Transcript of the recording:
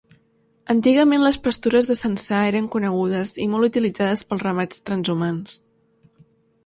Antigament les pastures de Censà eren conegudes i molt utilitzades pels ramats transhumants.